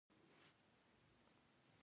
ایا کوم بل واکسین مو کړی دی؟